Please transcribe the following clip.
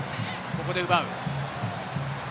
ここで奪う。